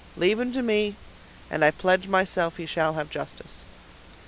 Leave him to me, and I pledge myself he shall have justice."